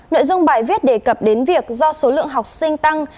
nội dung bài viết đề cập đến việc do số lượng học sinh tăng